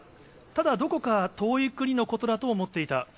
ただ、どこか遠い国のことだと思っていた。